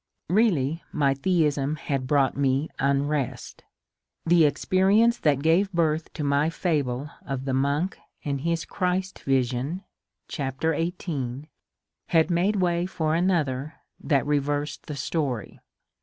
Beally my theism had brought me unrest. The experience that gave birth to my fable of the monk and his Christ vision (chapter xviii) had made way for another that reversed the story.